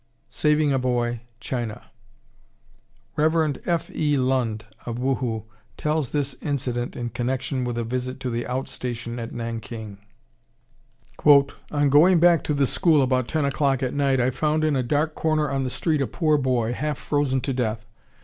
SAVING A BOY, CHINA Rev. F. E. Lund, of Wuhu, tells this incident in connection with a visit to the out station at Nanking: "On going back to the school about ten o'clock at night I found in a dark corner on the street a poor boy, half frozen to death.